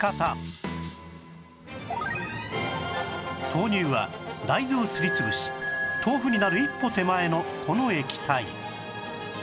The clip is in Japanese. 豆乳は大豆をすり潰し豆腐になる一歩手前のこの液体